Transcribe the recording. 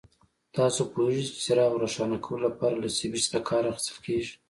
تاسو پوهیږئ چې د څراغ روښانه کولو لپاره له سوېچ څخه کار اخیستل کېږي.